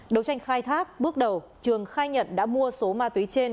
đấu tranh khai thác bước đầu trường khai nhận đã mua số ma túy trên